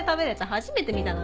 初めて見たな。